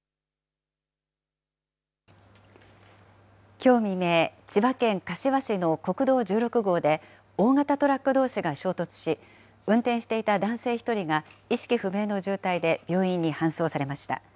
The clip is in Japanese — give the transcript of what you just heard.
きょう未明、千葉県柏市の国道１６号で、大型トラックどうしが衝突し、運転していた男性１人が意識不明の重体で病院に搬送されました。